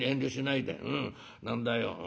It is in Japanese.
何だよ